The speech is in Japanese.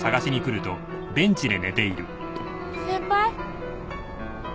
先輩？